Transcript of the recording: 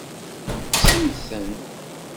Kksemt-ten.